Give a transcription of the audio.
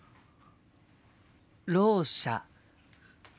ろう者。